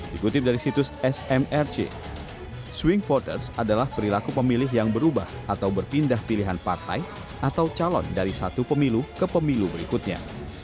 dikutip dari situs smrc swing voters adalah perilaku pemilih yang berubah atau berpindah pilihan partai atau calon dari satu pemilu ke pemilu berikutnya